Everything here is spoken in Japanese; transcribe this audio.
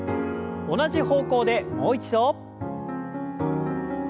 同じ方向でもう一度。